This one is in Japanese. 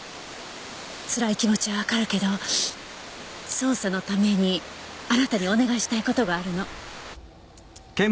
つらい気持ちはわかるけど捜査のためにあなたにお願いしたい事があるの。